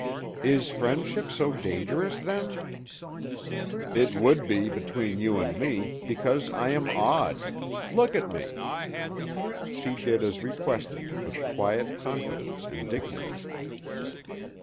"Is friendship so dangerous, then?" "It would be between you and me, because I am odd. Look at me." She did as requested, with quiet confidence and dignity.